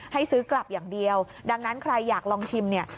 ให้ซื้อกลับอย่างเดียวดังนั้นใครอยากลองชิมเนี่ย